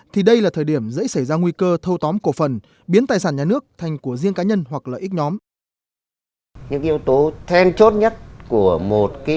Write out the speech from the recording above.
thì đây là thời điểm dễ xảy ra nguy cơ thâu tóm cổ phần biến tài sản nhà nước thành của riêng cá nhân hoặc lợi ích nhóm